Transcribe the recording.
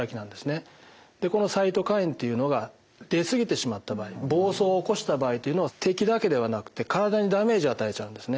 でこのサイトカインっていうのが出過ぎてしまった場合暴走を起こした場合というのは敵だけではなくて体にダメージを与えちゃうんですね。